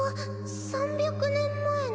３００年前の？